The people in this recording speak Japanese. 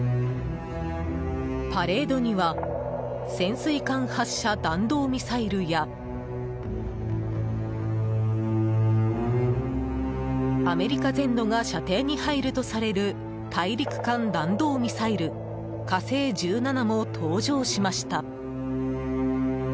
パレードには潜水艦発射弾道ミサイルやアメリカ全土が射程に入るとされる大陸間弾道ミサイル「火星１７」も登場しました。